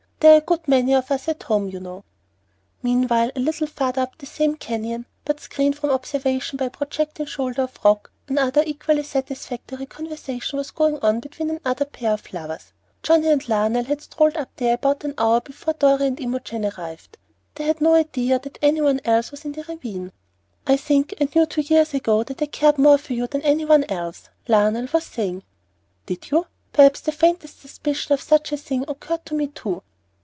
There are a good many of us at home, you know." Meanwhile, a little farther up the same canyon, but screened from observation by a projecting shoulder of rock, another equally satisfactory conversation was going on between another pair of lovers. Johnnie and Lionel had strolled up there about an hour before Dorry and Imogen arrived. They had no idea that any one else was in the ravine. "I think I knew two years ago that I cared more for you than any one else," Lionel was saying. "Did you? Perhaps the faintest suspicion of such a thing occurred to me too."